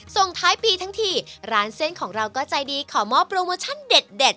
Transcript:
ส่งท้ายปีทั้งทีร้านเส้นของเราก็ใจดีขอมอบโปรโมชั่นเด็ด